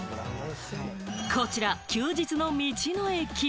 こちら、休日の道の駅。